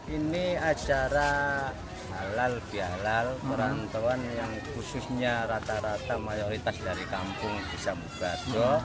ini acara halal bihalal perantauan yang khususnya rata rata mayoritas dari kampung desa mubaro